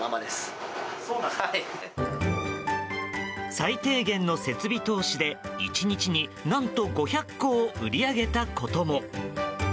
最低限の設備投資で１日に何と５００個を売り上げたことも。